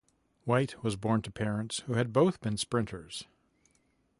White was born to parents who had both been sprinters.